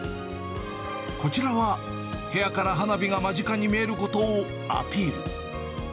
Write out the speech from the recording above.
こちらは部屋から花火が間近に見えることをアピール。